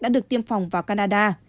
đã được tiêm phòng vào canada